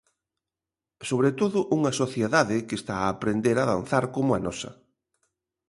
Sobre todo, unha sociedade que está a aprender a danzar, como a nosa.